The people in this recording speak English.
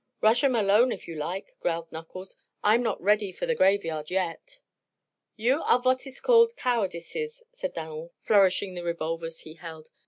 "Rush 'em alone, if you like," growled Knuckles. "I'm not ready for the graveyard yet." "You are vot iss called cowardices," said Dan'l, flourishing the revolvers he held.